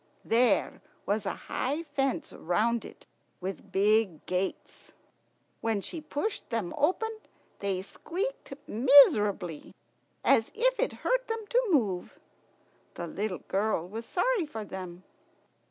There was a high fence round it with big gates. When she pushed them open they squeaked miserably, as if it hurt them to move. The little girl was sorry for them.